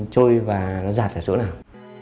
trôi và nó giặt ở chỗ nào